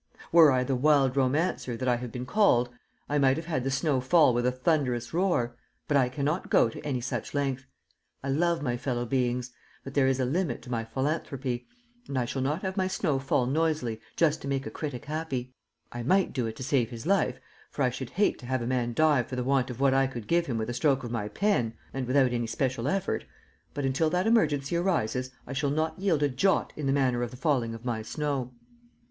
Were I the "wild romancer" that I have been called, I might have had the snow fall with a thunderous roar, but I cannot go to any such length. I love my fellow beings, but there is a limit to my philanthropy, and I shall not have my snow fall noisily just to make a critic happy. I might do it to save his life, for I should hate to have a man die for the want of what I could give him with a stroke of my pen, and without any special effort, but until that emergency arises I shall not yield a jot in the manner of the falling of my snow.